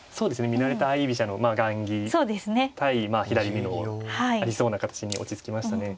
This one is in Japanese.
見慣れた相居飛車の雁木対左美濃ありそうな形に落ち着きましたね。